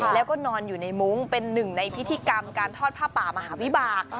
แล้วก็นอนอยู่ในมุ้งเป็นหนึ่งในพิธีกรรมการทอดผ้าป่ามหาวิบาก